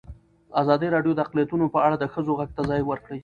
ازادي راډیو د اقلیتونه په اړه د ښځو غږ ته ځای ورکړی.